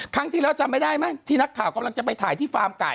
ครั้งที่แล้วจำไม่ได้ไหมที่นักข่าวกำลังจะไปถ่ายที่ฟาร์มไก่